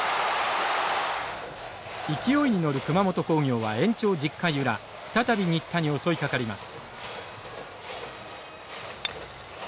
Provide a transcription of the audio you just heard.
勢いに乗る熊本工業は延長１０回裏再び新田に襲いかかります。